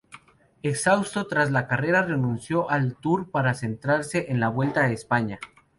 Exhausto tras la carrera, renunció al Tour para centrarse en la Vuelta a España.